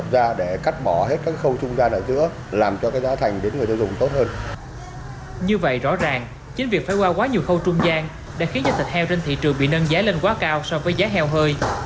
đã khiến cho thịt heo trên thị trường bị nâng giá lên quá cao so với giá heo hơi